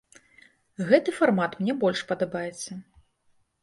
Гэты фармат мне больш падабаецца.